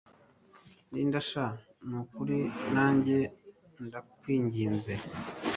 Linda sha nukuri nanjye ndawinginze